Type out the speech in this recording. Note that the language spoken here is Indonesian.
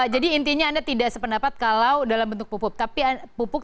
jadi intinya anda tidak sependapat kalau dalam bentuk pupuk